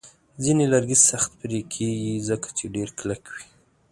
ځینې لرګي سخت پرې کېږي، ځکه چې ډیر کلک وي.